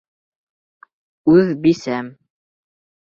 Үҙ бисәм!